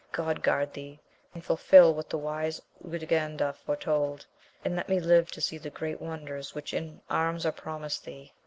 God guard thee, and fulfil what the wise Urganda foretold, and let me live to see the great wonders which in arms are promised thee.